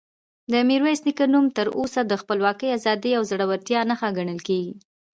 د میرویس نیکه نوم تر اوسه د خپلواکۍ، ازادۍ او زړورتیا نښه ګڼل کېږي.